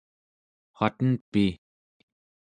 waten pi!